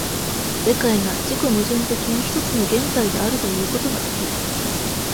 世界が自己矛盾的に一つの現在であるということができる。